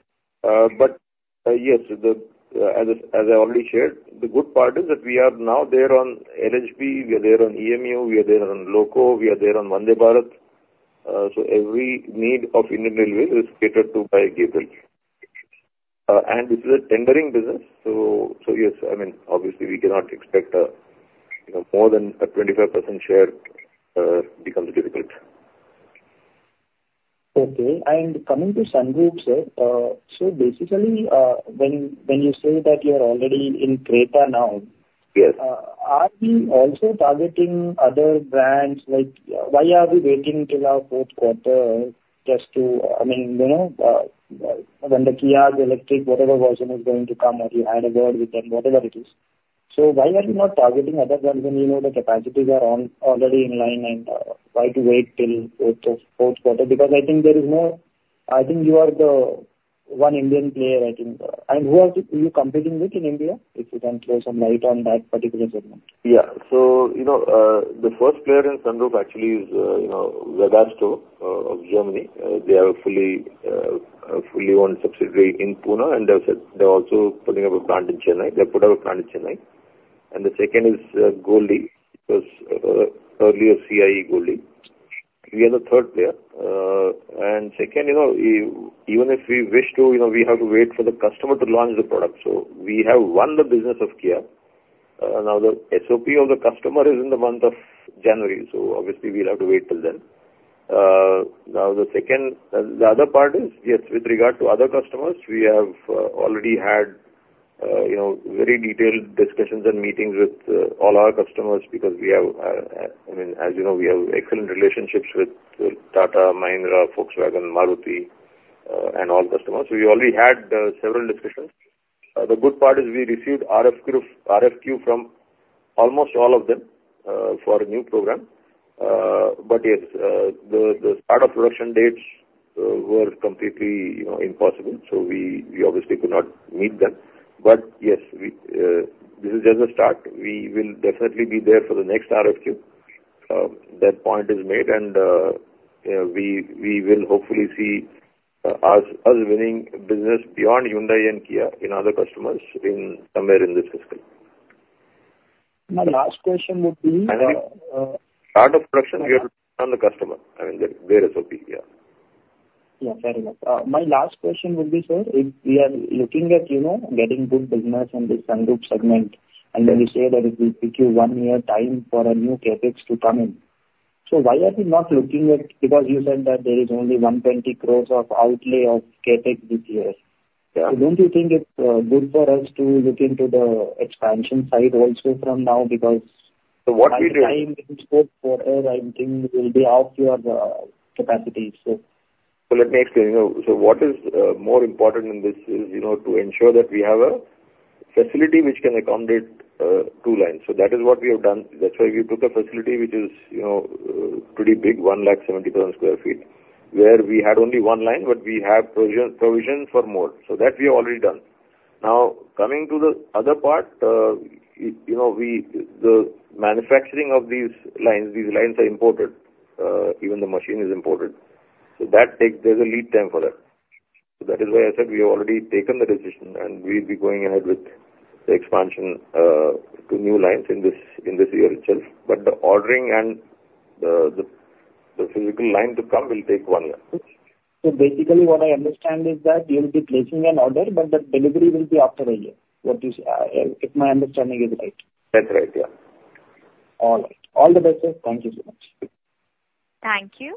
But, yes, as I already shared, the good part is that we are now there on LHB, we are there on EMU, we are there on Loco, we are there on Vande Bharat. So every need of Indian Railways is catered to by Gabriel. And this is a tendering business, so yes, I mean, obviously we cannot expect, you know, more than a 25% share, becomes difficult. Okay. And coming to sunroof, sir, so basically, when you say that you are already in Creta now- Yes. Are we also targeting other brands, like, why are we waiting till our fourth quarter just to, I mean, you know, when the Kia electric, whatever version is going to come, or you had a word with them, whatever it is. So why are you not targeting other brands when you know the capacities are on, already in line, and, why to wait till fourth, fourth quarter? Because I think there is no-- I think you are the one Indian player, I think... And who are you competing with in India? If you can throw some light on that particular segment. Yeah. So, you know, the first player in sunroof actually is, you know, Webasto, of Germany. They have a fully, a fully owned subsidiary in Pune, and they're said, they're also putting up a plant in Chennai. They put up a plant in Chennai. And the second is, Golde, it was earlier CIE Golde. We are the third player. And second, you know, even if we wish to, you know, we have to wait for the customer to launch the product. So we have won the business of Kia. Now, the SOP of the customer is in the month of January, so obviously we'll have to wait till then. Now, the second, the other part is, yes, with regard to other customers, we have already had, you know, very detailed discussions and meetings with all our customers because we have, I mean, as you know, we have excellent relationships with Tata, Mahindra, Volkswagen, Maruti, and all customers. So we already had several discussions. The good part is we received RFQ, RFQ from almost all of them for a new program. But yes, the start of production dates were completely, you know, impossible, so we obviously could not meet them. But yes, this is just a start. We will definitely be there for the next RFQ. That point is made, and we will hopefully see us winning business beyond Hyundai and Kia in other customers in somewhere in this fiscal. My last question would be. Start of production on the customer, I mean, their, their SOP, yeah. Yeah, fair enough. My last question would be, sir, if we are looking at, you know, getting good business in the sunroof segment, and then you say that it will take you one year time for a new CapEx to come in. So why are we not looking at... Because you said that there is only 120 crores of outlay of CapEx this year. Yeah. Don't you think it's good for us to look into the expansion side also from now, because- What we did- Time is scope for, I think will be up to your, capacity, so. So let me explain. You know, so what is more important in this is, you know, to ensure that we have a facility which can accommodate two lines. So that is what we have done. That's why we took a facility which is, you know, pretty big, 170,000 sq ft, where we had only one line, but we have provision, provision for more. So that we have already done. Now, coming to the other part, it, you know, we, the manufacturing of these lines, these lines are imported, even the machine is imported, so that takes, there's a lead time for that. So that is why I said we have already taken the decision, and we'll be going ahead with the expansion to new lines in this, in this year itself. The ordering and the physical line to come will take one year. So basically, what I understand is that you'll be placing an order, but the delivery will be after a year. What is, if my understanding is right? That's right, yeah. All right. All the best, sir. Thank you so much. Thank you.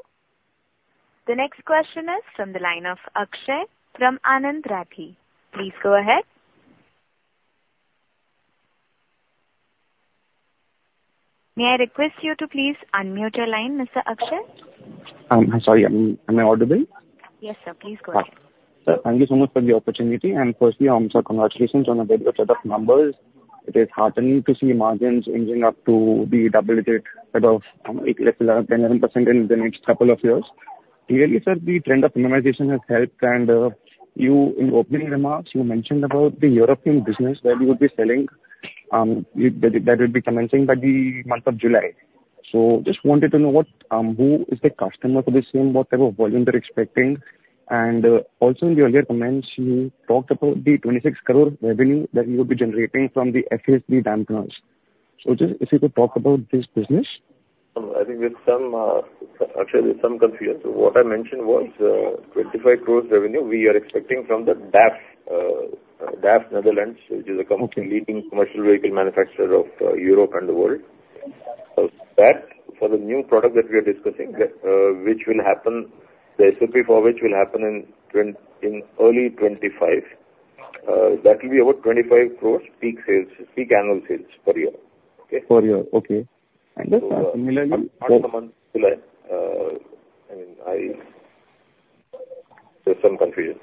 The next question is from the line of Akshay from Anand Rathi. Please go ahead. May I request you to please unmute your line, Mr. Akshay? Sorry, am I audible? Yes, sir. Please go ahead. Sir, thank you so much for the opportunity. Firstly, sir, congratulations on a very good set of numbers. It is heartening to see margins inching up to the double-digit sort of 8%-11% in the next couple of years. Clearly, sir, the trend of minimization has helped, and you in opening remarks, you mentioned about the European business that you will be selling, that will be commencing by the month of July. So just wanted to know what who is the customer for this and what type of volume they're expecting. Also in your earlier comments, you talked about the 26 crore revenue that you will be generating from the FSD dampers. So just if you could talk about this business? I think there's some, actually some confusion. So what I mentioned was, twenty-five crores revenue we are expecting from the DAF, DAF Netherlands, which is a company leading commercial vehicle manufacturer of Europe and the world. So that for the new product that we are discussing, which will happen, the SOP for which will happen in early 2025. That will be about 25 crore peak sales, peak annual sales per year. Okay? Per year, okay. And just, similarly- I mean, there's some confusion.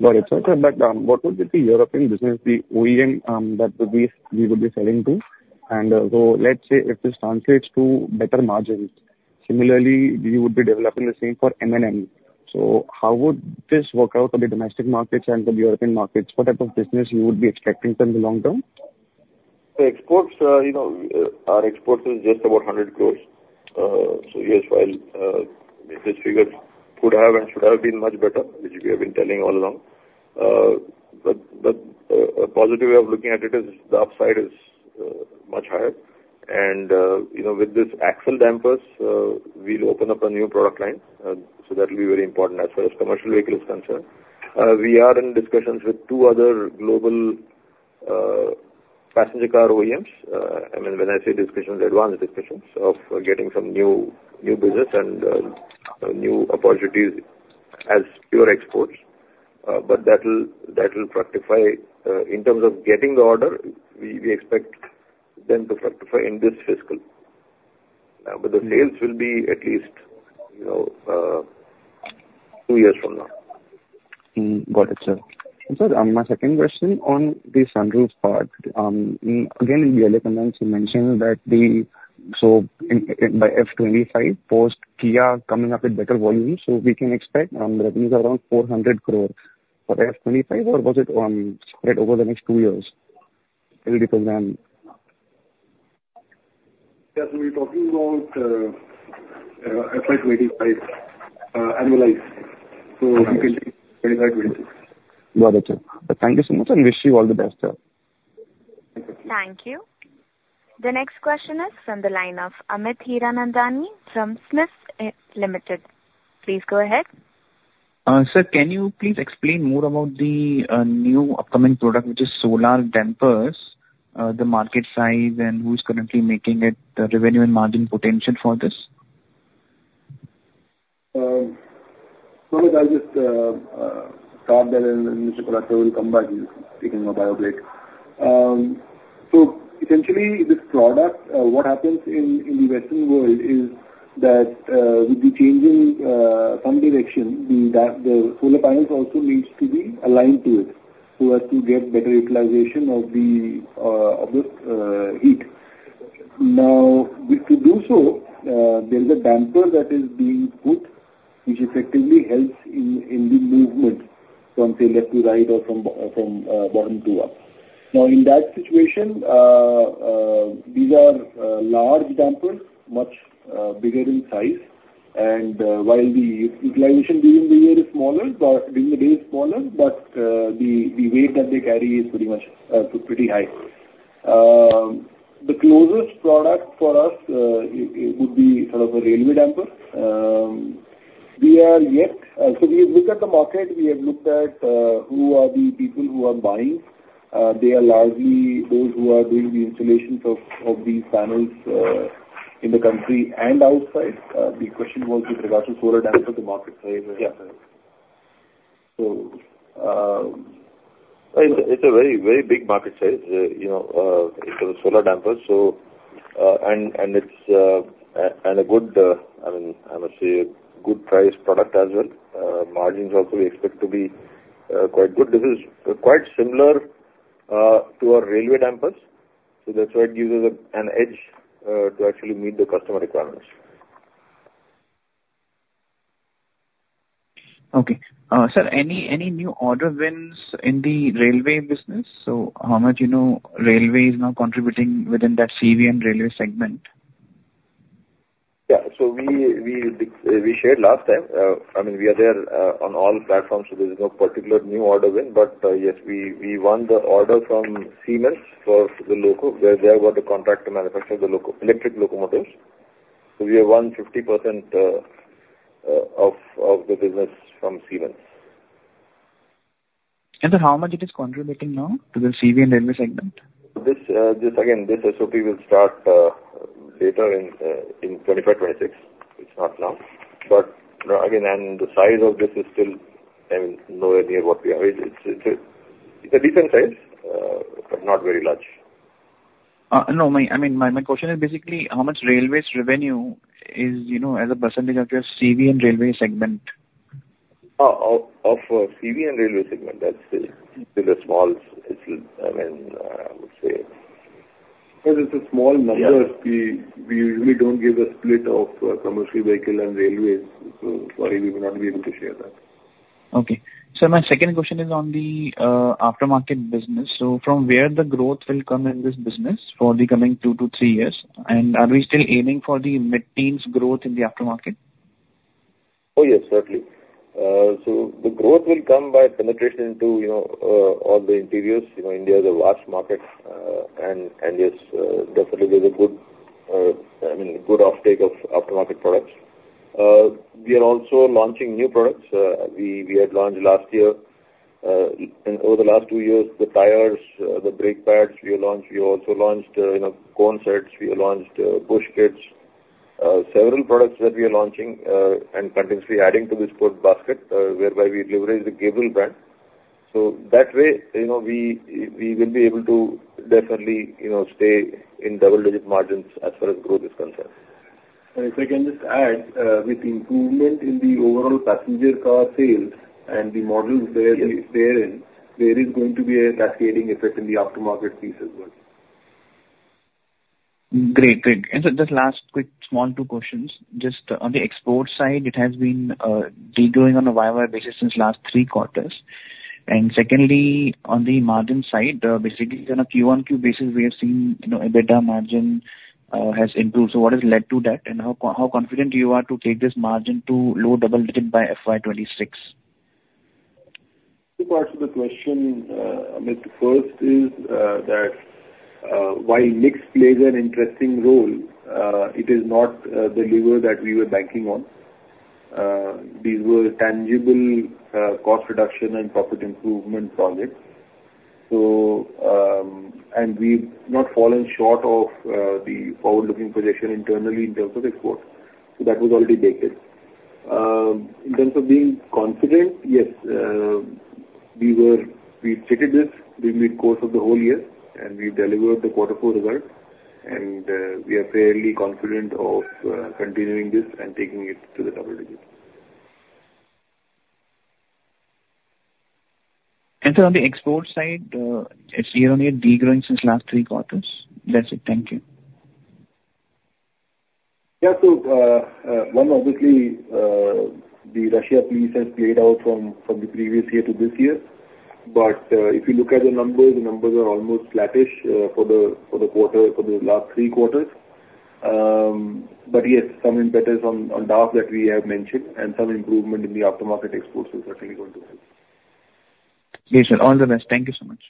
Got it. What would be the European business, the OEM, that would be, we would be selling to? So let's say if this translates to better margins, similarly, we would be developing the same for M&M. So how would this work out for the domestic markets and the European markets? What type of business you would be expecting from the long term? ... The exports, you know, our exports is just about 100 crore. So yes, while, this figure could have and should have been much better, which we have been telling all along, but, but, a positive way of looking at it is the upside is, much higher. And, you know, with this axle dampers, we'll open up a new product line, so that will be very important as far as commercial vehicle is concerned. We are in discussions with two other global, passenger car OEMs. I mean, when I say discussions, advanced discussions of getting some new, new business and, new opportunities as pure exports. But that will, that will fructify, in terms of getting the order, we, we expect them to fructify in this fiscal. The sales will be at least, you know, two years from now. Hmm. Got it, sir. And sir, my second question on the sunroof part, again, in the analyst you mentioned that the—so in by FY 2025, post Kia coming up with better volumes, so we can expect revenues around 400 crore for FY 2025, or was it spread over the next two years? Maybe depend on. Yes, we're talking about FY 2025, annualized, so it will be 2025, 2026. Got it, sir. Thank you so much, and wish you all the best, sir. Thank you. The next question is from the line of Amit Hiranandani from SMIFS Limited. Please go ahead. Sir, can you please explain more about the new upcoming product, which is solar dampers, the market size and who's currently making it, the revenue and margin potential for this? Amit, I'll just start that and then Mr. Kolhatkar will come by. He's taking a bio break. So essentially, this product, what happens in the Western world is that with the changing sun direction, the solar panels also needs to be aligned to it, so as to get better utilization of the heat. Now, if to do so, there's a damper that is being put, which effectively helps in the movement from, say, left to right or from bottom to up. Now, in that situation, these are large dampers, much bigger in size. And while the utilization during the year is smaller, but during the day is smaller, but the weight that they carry is pretty much pretty high. The closest product for us, it would be sort of a railway damper. We are yet... So we have looked at the market, we have looked at who are the people who are buying. They are largely those who are doing the installations of these panels in the country and outside. The question was with regard to solar dampers, the market size. Yeah. So, um- It's a very, very big market size, you know, in terms of solar dampers. So, and it's a good, I mean, I must say, a good priced product as well. Margins also we expect to be quite good. This is quite similar to our railway dampers, so that's why it gives us an edge to actually meet the customer requirements. Okay. Sir, any new order wins in the railway business? So how much, you know, railway is now contributing within that CV and railway segment? Yeah. So we shared last time. I mean, we are there on all platforms, so there is no particular new order win. But yes, we won the order from Siemens for the loco. They have got the contract to manufacture the loco, electric locomotives. So we have won 50% of the business from Siemens. How much it is contributing now to the CV and railway segment? This again, this SOP will start later in 2025, 2026. It's not now. But, again, and the size of this is still, I mean, nowhere near what we have. It's a decent size, but not very large. No, I mean, my question is basically how much railway's revenue is, you know, as a percentage of your CV and railway segment? Oh, of CV and railway segment, that's still, still a small. It's, I mean, I would say- Because it's a small number- Yeah. We usually don't give a split of commercial vehicle and railways, so sorry, we will not be able to share that. Okay. Sir, my second question is on the aftermarket business. So from where the growth will come in this business for the coming two to three years, and are we still aiming for the mid-teens growth in the aftermarket? Oh, yes, certainly. So the growth will come by penetration into, you know, all the interiors. You know, India is a vast market, and yes, definitely there's a good, I mean, good offtake of aftermarket products. We are also launching new products. We had launched last year, and over the last two years, the tires, the brake pads we launched. We also launched, you know, cone sets, we launched, bush kits, several products that we are launching, and continuously adding to this product basket, whereby we leverage the Gabriel brand. So that way, you know, we will be able to definitely, you know, stay in double-digit margins as far as growth is concerned. If I can just add, with improvement in the overall passenger car sales and the models where we stay in, there is going to be a cascading effect in the aftermarket piece as well.... Great, great. And so just last quick small two questions. Just on the export side, it has been de-growing on a Y-o-Y basis since last three quarters. And secondly, on the margin side, basically on a Q-o-Q basis, we have seen, you know, EBITDA margin has improved. So what has led to that, and how confident you are to take this margin to low double digit by FY 2026? Two parts of the question, Amit. First is that while mix plays an interesting role, it is not the lever that we were banking on. These were tangible cost reduction and profit improvement projects. And we've not fallen short of the forward-looking projection internally in terms of exports. So that was already baked in. In terms of being confident, yes, we were—we stated this in mid-course of the whole year, and we delivered the Quarter Four results, and we are fairly confident of continuing this and taking it to the double digits. Sir, on the export side, it's year-on-year de-growing since last three quarters. That's it. Thank you. Yeah. So, one, obviously, the Russia piece has played out from the previous year to this year. But, if you look at the numbers, the numbers are almost flattish, for the quarter, for the last three quarters. But yes, some impact is on DAF that we have mentioned, and some improvement in the aftermarket exports is certainly going to help. Yes, sir. All the best. Thank you so much.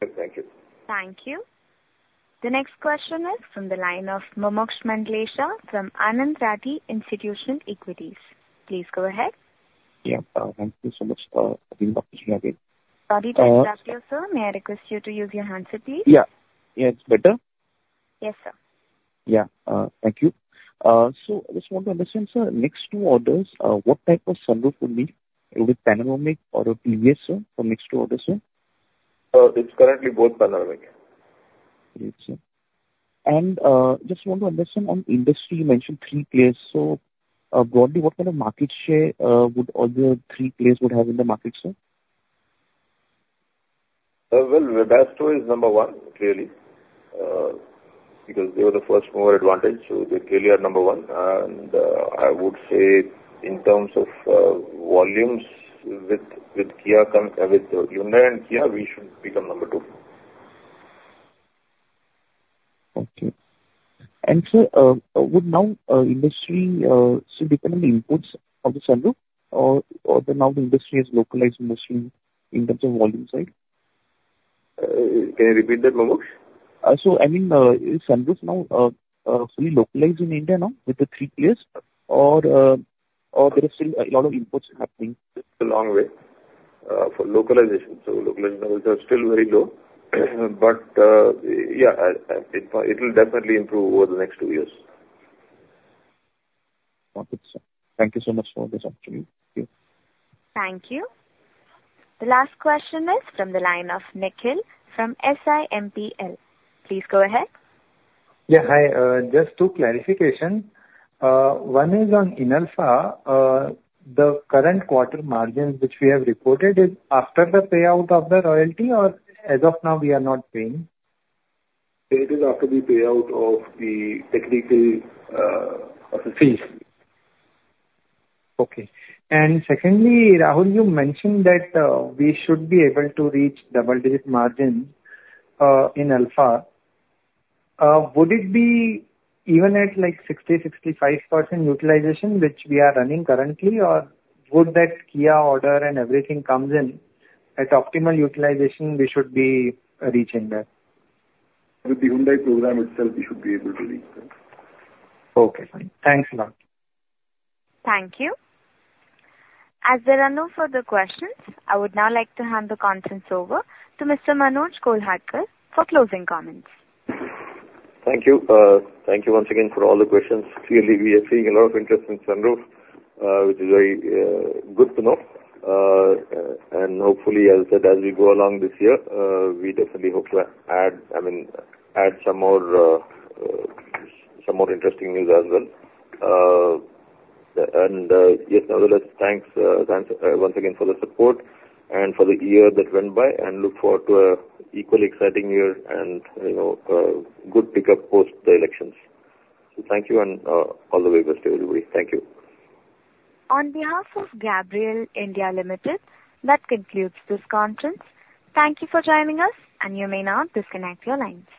Thank you. Thank you. The next question is from the line of Mumuksh Mandlesha from Anand Rathi Institutional Equities. Please go ahead. Yeah, thank you so much for giving the opportunity again. Sorry to interrupt you, sir. May I request you to use your handset, please? Yeah. Yeah, it's better? Yes, sir. Yeah. Thank you. So I just want to understand, sir, next two orders, what type of sunroof will be? It will be panoramic or a previous, sir, for next two orders, sir? It's currently both panoramic. Great, sir. And, just want to understand on industry, you mentioned three players. So, broadly, what kind of market share would all the three players would have in the market, sir? Well, Webasto is number one, clearly, because they were the first mover advantage, so they clearly are number one. I would say in terms of volumes, with Hyundai and Kia, we should become number two. Okay. And sir, would now industry so depending on the inputs of the sunroof, or, or the now the industry is localized industry in terms of volume side? Can you repeat that, Mumuksh? I mean, is sunroof now fully localized in India now with the three players, or, or there is still a lot of imports happening? It's a long way for localization. So localization are still very low, but, yeah, it will definitely improve over the next two years. Okay, sir. Thank you so much for this opportunity. Thank you. Thank you. The last question is from the line of Nikhil from SiMPL. Please go ahead. Yeah, hi. Just two clarification. One is on Inalfa. The current quarter margins, which we have reported, is after the payout of the royalty or as of now, we are not paying? It is after the payout of the technical, fees. Okay. And secondly, Rahul, you mentioned that we should be able to reach double-digit margin in Inalfa. Would it be even at like 60%-65% utilization, which we are running currently, or would that Kia order and everything comes in at optimal utilization, we should be reaching there? With the Hyundai program itself, we should be able to reach there. Okay, fine. Thanks a lot. Thank you. As there are no further questions, I would now like to hand the conference over to Mr. Manoj Kolhatkar for closing comments. Thank you. Thank you once again for all the questions. Clearly, we are seeing a lot of interest in sunroof, which is very good to know. And hopefully, as I said, as we go along this year, we definitely hope to add, I mean, add some more, some more interesting news as well. And, yes, nonetheless, thanks, thanks once again for the support and for the year that went by, and look forward to a equally exciting year and, you know, good pickup post the elections. So thank you, and, all the very best to everybody. Thank you. On behalf of Gabriel India Ltd., that concludes this conference. Thank you for joining us, and you may now disconnect your lines.